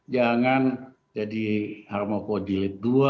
jangan jadi harmoko jilid dua